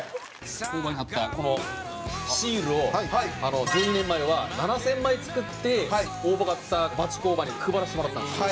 工場に貼ったこのシールを１２年前は７０００枚作って応募があった町工場に配らせてもらったんです。